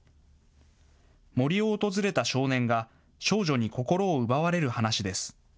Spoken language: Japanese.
森を訪れた少年が少女に心を奪われる話です。